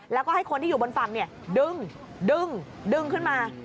แล้วก็ให้คนที่อยู่บนฝั่งดึงดึงขึ้นมา